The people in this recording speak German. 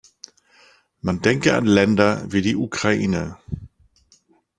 Man denke an Länder wie die Ukraine.